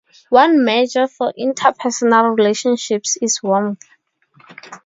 One measure for interpersonal relationships is "warmth".